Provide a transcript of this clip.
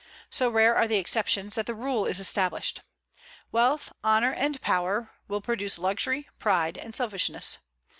So rare are the exceptions, that the rule is established. Wealth, honor, and power will produce luxury, pride, and selfishness.